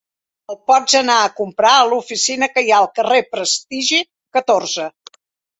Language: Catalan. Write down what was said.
El pots anar a comprar a l'oficina que hi ha al carrer Prestigi, catorze.